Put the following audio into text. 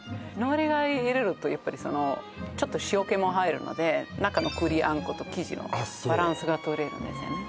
海苔を入れるとやっぱりそのちょっと塩気も入るので中の栗あんこと生地のバランスがとれるんですよね